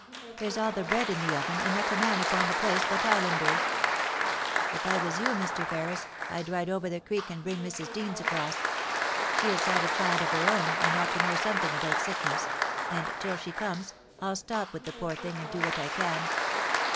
There's all the bread in the oven, and not a man upon the place but islanders If I was you, Mr. Ferris, I'd ride over the creek and bring Mrs. Deans across. She has had a child of her own, and ought to know something about sick ness, and till she comes, I'll stop with the poor thing and do what I can.'